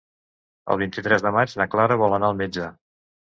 El vint-i-tres de maig na Clara vol anar al metge.